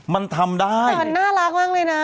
มันทำได้มันน่ารักมากเลยนะ